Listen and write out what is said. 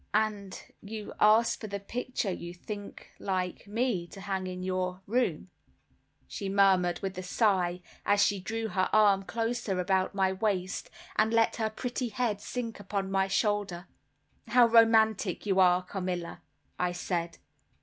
"And you asked for the picture you think like me, to hang in your room," she murmured with a sigh, as she drew her arm closer about my waist, and let her pretty head sink upon my shoulder. "How romantic you are, Carmilla," I said.